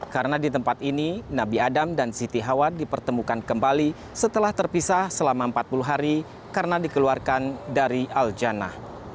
karena di tempat ini nabi adam dan siti hawa dipertemukan kembali setelah terpisah selama empat puluh hari karena dikeluarkan dari aljana